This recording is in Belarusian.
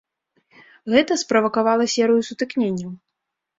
Гэта справакавала серыю сутыкненняў.